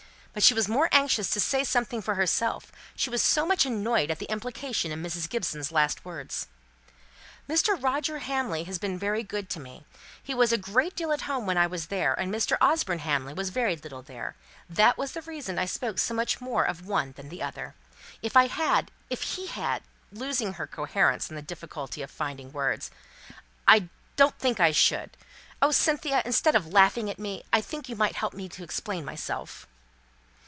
But she was more anxious to say something for herself; she was so much annoyed at the implication in Mrs. Gibson's last words. "Mr. Roger Hamley has been very good to me; he was a great deal at home when I was there, and Mr. Osborne Hamley was very little there: that was the reason I spoke so much more of one than the other. If I had if he had," losing her coherence in the difficulty of finding words, "I don't think I should, oh, Cynthia, instead of laughing at me, I think you might help me to explain myself!"